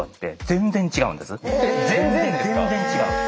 全然違う。